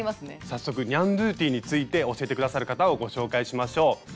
早速ニャンドゥティについて教えて下さる方をご紹介しましょう。